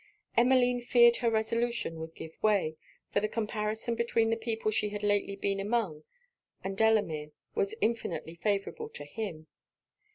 Emmeline feared her resolution would give way; for the comparison between the people she had lately been among, and Delamere, was infinitely favourable to him.